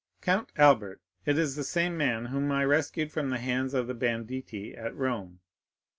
"Count Albert; it is the same man whom I rescued from the hands of the banditti at Rome."